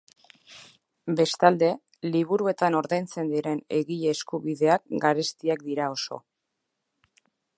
Bestalde, liburuetan ordaintzen diren egile eskubideak garestiak dira oso.